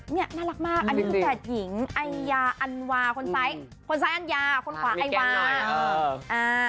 นี่น่ารักมากอันนี้คือแฝดหญิงไอยาอันวาคนซ้ายคนซ้ายอันยาคนขวาไอวา